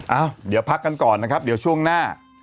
เอ้าเดี๋ยวพักกันก่อนนะครับเดี๋ยวช่วงหน้า